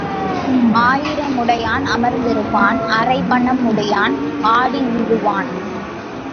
ஆயிரம் உடையான் அமர்ந்திருப்பான் அரைப்பணம் உடையான் ஆடி விழுவான்.